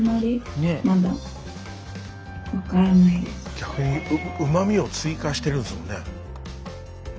逆にうま味を追加してるんですもんね。